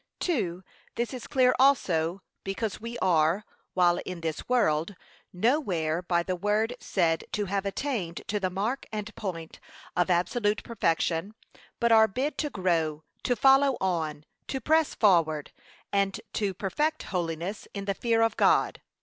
2. This is clear also, because we are, while in this world, nowhere by the word said to have attained to the mark and point of absolute perfection; but are bid to grow, to follow on, to press forward, and to perfect holiness in the fear of God.